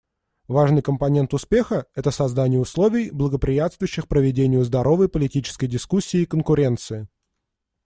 Важный компонент успеха — это создание условий, благоприятствующих проведению здоровой политической дискуссии и конкуренции.